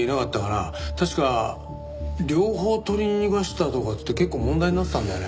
確か両方取り逃がしたとかって結構問題になってたんだよね。